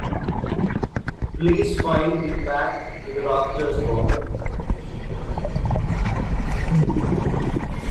Please find the Packed to the Rafters work.